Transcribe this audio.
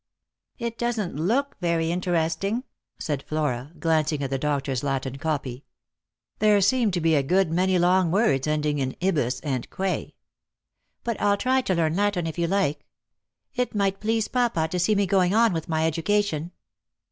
" It doesn't look very interesting," said Flora, glancing at the doctor's Latin copy. There seemed to be a good many long words ending in ibus and que. " But I'll try to learn Latin if you like. It might please papa to see me going on with my education."